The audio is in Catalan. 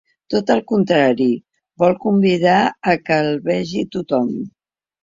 Tot el contrari, vol convidar a que el vegi tothom.